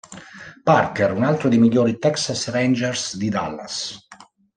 Parker, un altro dei migliori Texas Rangers di Dallas.